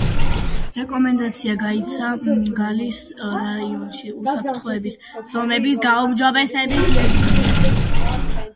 რეკომენდაცია გაიცა გალის რაიონში უსაფრთხოების ზომების გაუმჯობესების მიზნით.